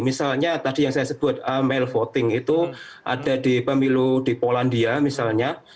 misalnya tadi yang saya sebut mile voting itu ada di pemilu di polandia misalnya